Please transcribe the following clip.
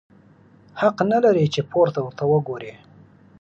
حق نه لرې چي پورته ورته وګورې!